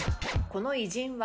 この偉人は？